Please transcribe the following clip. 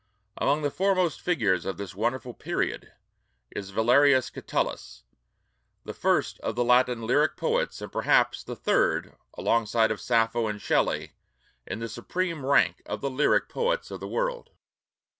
Among the foremost figures of this wonderful period is Valerius Catullus, the first of Latin lyric poets, and perhaps the third, alongside of Sappho and Shelley, in the supreme rank of the lyric poets of the world.